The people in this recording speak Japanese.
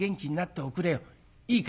いいかい」。